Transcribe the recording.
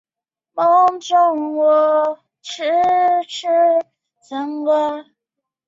吕克昂迪瓦。